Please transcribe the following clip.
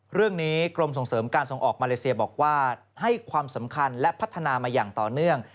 เรื่องนี้กรมส่งเสริมการส่งออกมาเลเซียบอกว่าให้ความสำคัญและพัฒนามาอย่างต่อเนื่อง